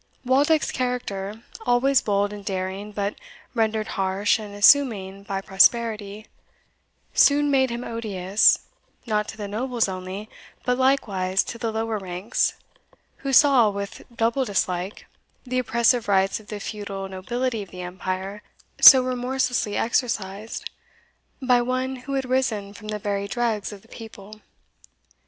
Waldeck's character, always bold and daring but rendered harsh and assuming by prosperity, soon made him odious, not to the nobles only, but likewise to the lower ranks, who saw, with double dislike, the oppressive rights of the feudal nobility of the empire so remorselessly exercised by one who had risen from the very dregs of the people.